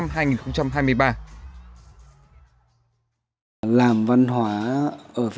làm văn hóa ở việt nam thì chúng ta không có một cái chính sách hỗ trợ cho các nhà đầu tư bởi vì